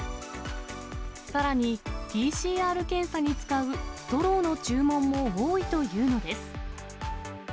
さらに、ＰＣＲ検査に使うストローの注文も多いというのです。